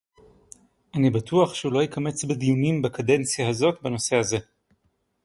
אני בטוח שהוא לא יקמץ בדיונים בקדנציה הזאת בנושא הזה